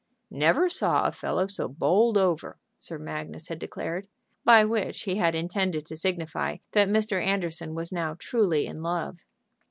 "Never saw a fellow so bowled over," Sir Magnus had declared, by which he had intended to signify that Mr. Anderson was now truly in love.